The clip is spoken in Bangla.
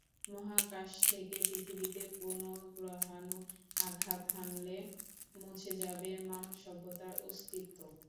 মহাকাশ থেকে পৃথিবীতে কোনো গ্রহাণু আঘাত হানলে মুছে যাবে মানব সভ্যতার অস্তিত্ব।